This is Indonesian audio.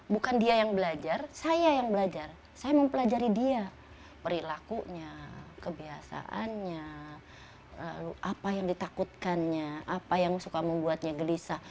bukan dia yang belajar saya yang belajar saya mempelajari dia perilakunya kebiasaannya lalu apa yang ditakutkannya apa yang suka membuatnya gelisah